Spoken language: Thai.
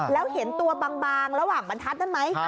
แล้วเห็นตัวบางระหว่างบรรทัศน์นั่นไหม